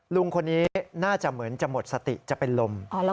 ลุงคนนี้น่าจะเหมือนจะหมดสติจะเป็นลม